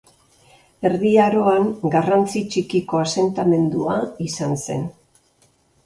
Erdi Aroan garrantzi txikiko asentamendua izan zen.